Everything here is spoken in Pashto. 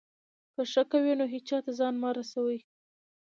که ښه کوئ، نو هېچا ته زیان مه رسوئ.